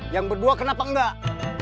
yang berdua kenapa enggak